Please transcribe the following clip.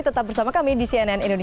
tetap bersama kami di jalan jalan menarik